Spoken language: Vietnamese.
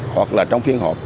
hoặc là trong phiên họp